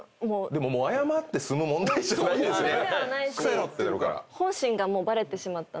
でももう謝って済む問題じゃないですよね。